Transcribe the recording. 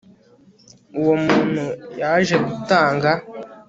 Uwo muntu yaje gutanga